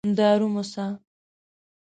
دارو موسه.